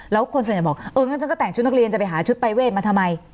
แล้วคนส่วนใหญ่บอกเอองั้นฉันก็แต่งชุดนักเรียนจะไปหาชุดปรายเวทมาทำไม